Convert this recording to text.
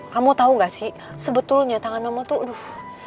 kamu tau gak sih sebetulnya tangan mama tuh